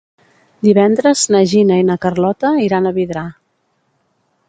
Divendres na Gina i na Carlota iran a Vidrà.